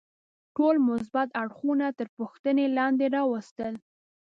ټول مثبت اړخونه تر پوښتنې لاندې راوستل.